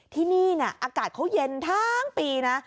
ที่นี่อากาศเขาเย็นทั้งปีนะ